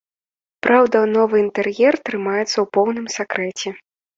Праўда, новы інтэр'ер трымаецца ў поўным сакрэце.